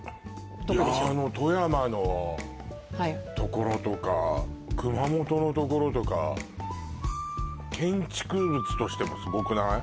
あの富山のところとか熊本のところとか建築物としてもすごくない？